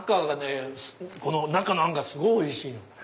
中のあんがすごいおいしい！